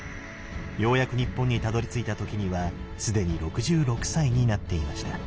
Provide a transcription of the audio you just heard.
ようやく日本にたどりついた時には既に６６歳になっていました。